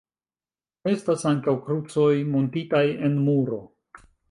Estas ankaŭ krucoj muntitaj en muro.